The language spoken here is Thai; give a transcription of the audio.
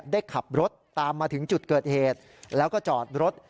ได้ขับรถตามมาถึงจุดเกิดเหตุแล้วก็จอดรถ